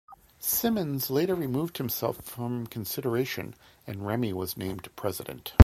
Simmons later removed himself from consideration and Remy was named president.